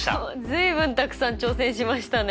随分たくさん挑戦しましたね。